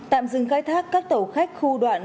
tạm dừng khai thác các tàu khách khu đoạn